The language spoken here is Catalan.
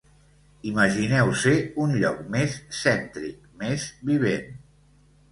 Imagineu ser un lloc més cèntric, més vivent.